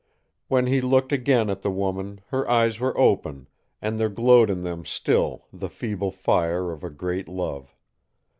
When he looked again at the woman, her eyes were open, and there glowed in them still the feeble fire of a great love.